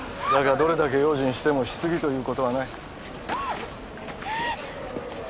だがどれだけ用心してもし過ぎということはない。